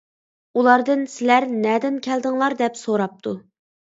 ئۇلاردىن سىلەر نەدىن كەلدىڭلار دەپ سوراپتۇ.